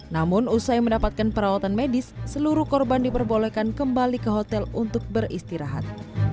namun usai mendapatkan perawatan medis seluruh korban diperbolehkan kembali ke hotel untuk beristirahat